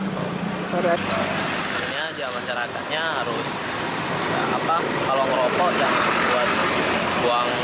sebenarnya ya masyarakatnya harus kalau ngerokok jangan buat buang